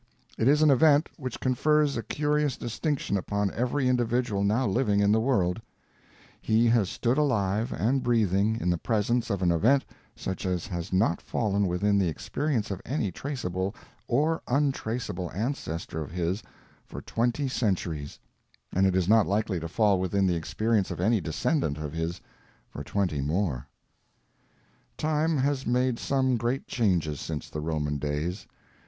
It is an event which confers a curious distinction upon every individual now living in the world: he has stood alive and breathing in the presence of an event such as has not fallen within the experience of any traceable or untraceable ancestor of his for twenty centuries, and it is not likely to fall within the experience of any descendant of his for twenty more. Time has made some great changes since the Roman days.